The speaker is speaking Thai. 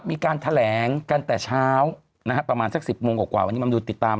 มีการแถลงกันแต่เช้านะฮะประมาณสัก๑๐โมงกว่าวันนี้มาดูติดตาม